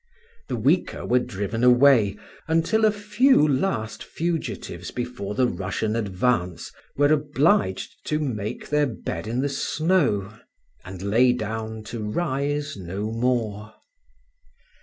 The weaker were driven away, until a few last fugitives before the Russian advance were obliged to make their bed in the snow, and lay down to rise no more.